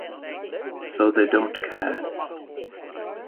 So they don't care.